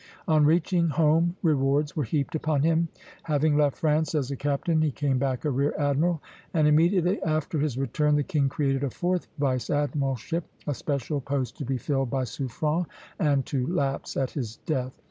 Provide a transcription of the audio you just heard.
On reaching home, rewards were heaped upon him. Having left France as a captain, he came back a rear admiral; and immediately after his return the king created a fourth vice admiralship, a special post to be filled by Suffren, and to lapse at his death.